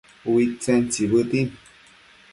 Uidtsen tsibëtin